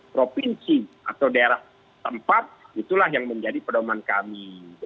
provinsi atau daerah tempat itulah yang menjadi pedoman kami